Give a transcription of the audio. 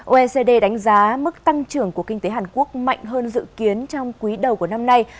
oecd đánh giá mức tăng trưởng của kinh tế hàn quốc mạnh hơn dự kiến trong quý đầu của năm nay